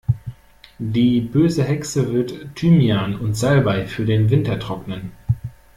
Die böse Hexe wird Thymian und Salbei für den Winter trocknen.